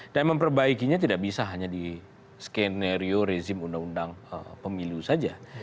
dan memperbaikinya tidak bisa hanya di skenario rezim undang undang pemilu saja